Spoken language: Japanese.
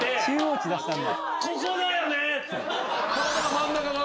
真ん中が。